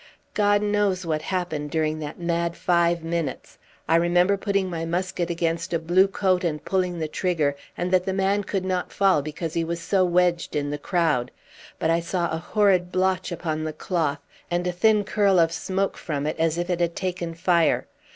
God knows what happened during that mad five minutes. I remember putting my musket against a blue coat and pulling the trigger, and that the man could not fall because he was so wedged in the crowd; but I saw a horrid blotch upon the cloth, and a thin curl of smoke from it as if it had taken fire.